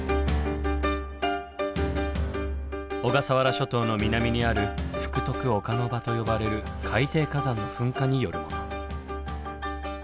小笠原諸島の南にある福徳岡ノ場と呼ばれる海底火山の噴火によるもの。